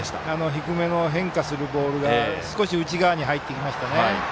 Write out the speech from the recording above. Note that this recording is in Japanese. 低めの変化するボールが少し内側に入りました。